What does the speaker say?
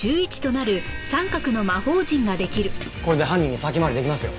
これで犯人に先回り出来ますよ！